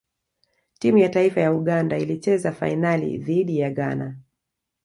timu ya taifa ya uganda ilicheza fainali dhidi ya ghana